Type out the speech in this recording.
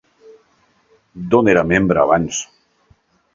D'on era membre abans?